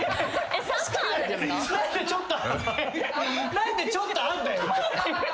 何でちょっとあんだよ！